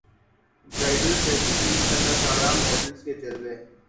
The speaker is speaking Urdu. برائڈل فیشن ویک میں اداکاراں ماڈلز کے جلوے